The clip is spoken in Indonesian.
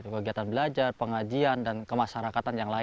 kegiatan belajar pengajian dan kemasyarakatan yang lain